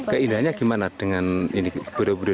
keindahannya gimana dengan ini borobudur